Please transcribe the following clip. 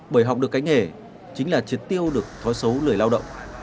bởi học được cái nghề chính là triệt tiêu được thói xấu lời lao động